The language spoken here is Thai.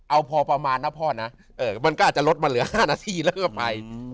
เอาพอประมาณนะพ่อนะมันก็อาจจะลดมาเหลือ๕นาทีแล้วก็ไป